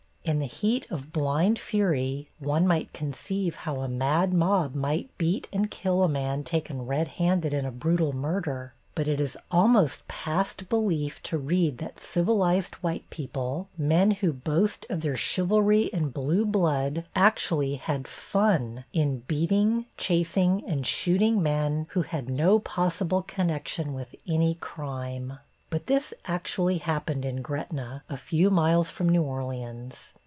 In the heat of blind fury one might conceive how a mad mob might beat and kill a man taken red handed in a brutal murder. But it is almost past belief to read that civilized white people, men who boast of their chivalry and blue blood, actually had fun in beating, chasing and shooting men who had no possible connection with any crime. But this actually happened in Gretna, a few miles from New Orleans.